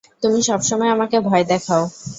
তুমি সবসময় আমাকে ভয় দেখাও।